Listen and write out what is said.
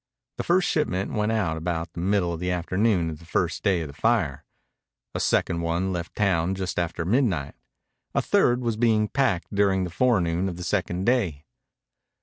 The first shipment went out about the middle of the afternoon of the first day of the fire. A second one left town just after midnight. A third was being packed during the forenoon of the second day.